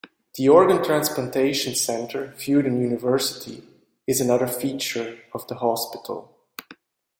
The Organ Transplantation Center, Fudan University, is another feature of the hospital.